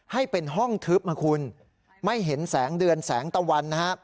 ให้เป็นห้องทึบนะคุณไม่เห็นแสงเดือนแสงตะวันนะฮะ